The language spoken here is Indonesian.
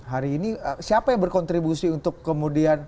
hari ini siapa yang berkontribusi untuk kemudian